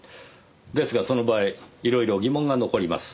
ですがその場合いろいろ疑問が残ります。